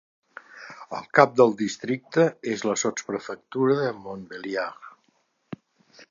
El cap del districte és la sotsprefectura de Montbéliard.